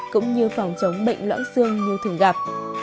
cũng như phòng chống bệnh lõm xương như thường gặp